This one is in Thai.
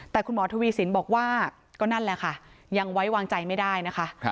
แต่คุณหมอทวีสินบอกว่าก็นั่นแหละค่ะยังไว้วางใจไม่ได้นะคะ